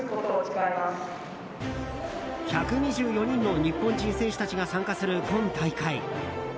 １２４人の日本人選手たちが参加する、今大会。